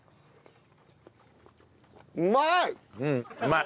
うまい！